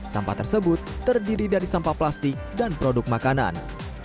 sampah tersebut terdiri dari sampah plastik dan produk makanan